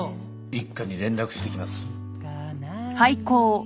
一課に連絡してきます。